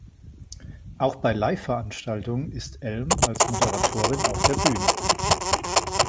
Auch bei Live-Veranstaltungen ist Elm als Moderatorin auf der Bühne.